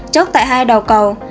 chốt tại hai đầu cầu